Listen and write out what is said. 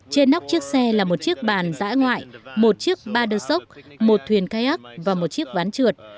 trên nóc chiếc xe là một chiếc bàn dã ngoại một chiếc ba đơ sốc một thuyền kayak và một chiếc ván trượt